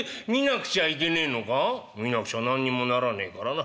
「見なくちゃ何にもならねえからな。